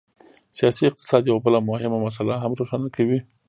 سیاسي اقتصاد یوه بله مهمه مسله هم روښانه کوي.